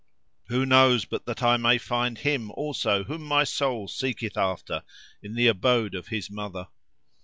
Who knows but that I may find him also whom my soul seeketh after, in the abode of his mother?"